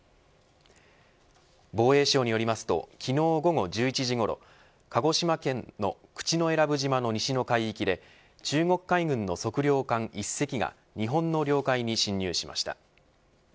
防衛省によりますと昨日午後１１時ごろ鹿児島県の口永良部島の西の海域で中国海軍の測量艦１隻が日本の領海に侵入しました。